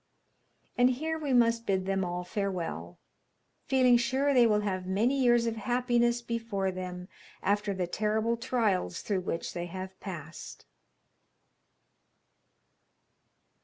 And here we must bid them all farewell, feeling sure they will have many years of happiness before them after the terrible trials through which they have passed.